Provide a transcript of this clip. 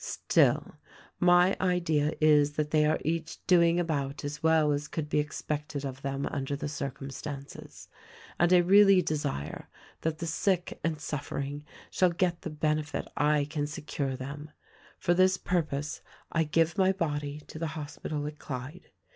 Still, my idea is that they are each doing about as well as could be expected of them under the circumstances ; and I really desire that the sick and suffering shall get the benefit I can secure them. For this purpose I give my body to the hospital at Clyde.